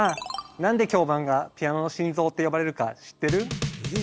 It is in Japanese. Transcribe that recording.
何で響板がピアノの心臓って呼ばれるか知ってる？え？